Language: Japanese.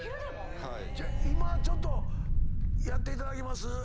今ちょっとやっていただけます？